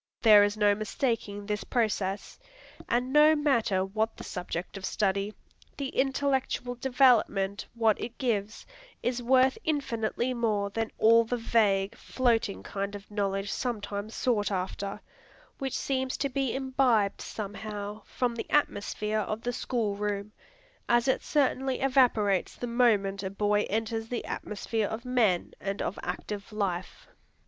There is no mistaking this process; and no matter what the subject of study, the intellectual development what it gives, is worth infinitely more than all that vague, floating kind of knowledge sometimes sought after, which seems to be imbibed somehow from the atmosphere of the school room, as it certainly evaporates the moment a boy enters the atmosphere of men and of active life.